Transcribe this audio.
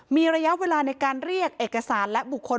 มีระยะเวลาในการเรียกเอกสารและบุคคล